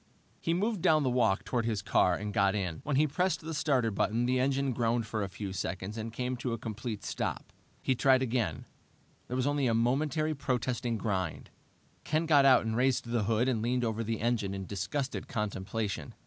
He moved down the walk toward his car and got in. When he pressed die starter button the engine groaned for a few seconds and came to a complete stop. He tried again; there was only a momentary, protesting grind. Ken got out and raised the hood and leaned over the engine in disgusted contemplation.